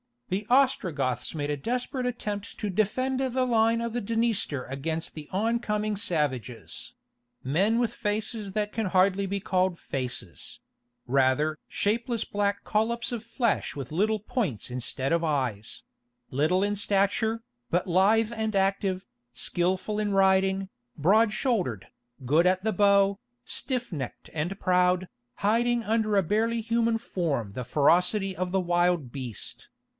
The Ostrogoths made a desperate attempt to defend the line of the Dniester against the oncoming savages—"men with faces that can hardly be called faces—rather shapeless black collops of flesh with little points instead of eyes; little in stature, but lithe and active, skilful in riding, broad shouldered, good at the bow, stiff necked and proud, hiding under a barely human form the ferocity of the wild beast."